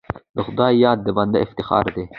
د خدای یاد د بنده افتخار دی.